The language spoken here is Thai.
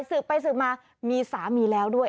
สืบไปสืบมามีสามีแล้วด้วย